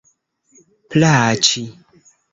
plaĉi